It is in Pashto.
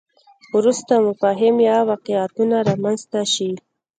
وروسته مفاهیم یا واقعیتونه رامنځته شي.